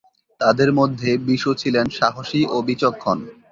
তাদের মধ্যে বিশু ছিলেন সাহসী ও বিচক্ষণ।